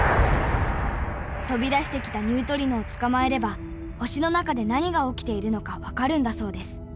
飛び出してきたニュートリノをつかまえれば星の中で何が起きているのか分かるんだそうです。